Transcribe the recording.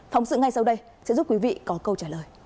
phóng sự ngay sau đây sẽ giúp quý vị có câu trả lời